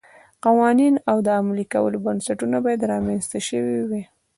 قوانین او د عملي کولو بنسټونه باید رامنځته شوي وای